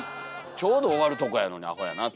ちょうど終わるとこやのにアホやなと。